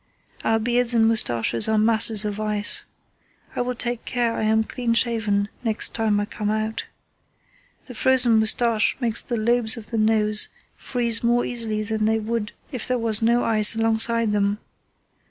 Our beards and moustaches are masses of ice. I will take care I am clean shaven next time I come out. The frozen moustache makes the lobes of the nose freeze more easily than they would if there was no ice alongside them....